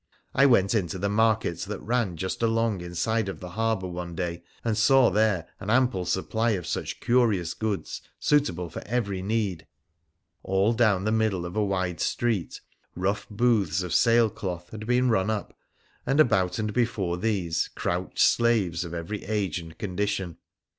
I went into the market that ran just along inside the harbour one day, and saw there an ample supply of such curious goods suitable for every need. All down the middle of a wide street rough booths of sail cloth had been run up, and about and before these crouched slaves of every age and condition.